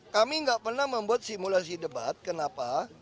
kami nggak pernah membuat simulasi debat kenapa